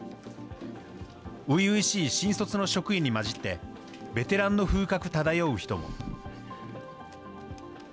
初々しい新卒の職員に交じって、ベテランの風格漂う人も。